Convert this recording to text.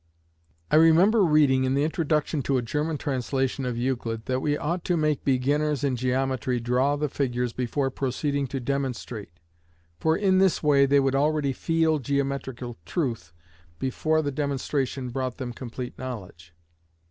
I remember reading in the introduction to a German translation of Euclid, that we ought to make beginners in geometry draw the figures before proceeding to demonstrate, for in this way they would already feel geometrical truth before the demonstration brought them complete knowledge.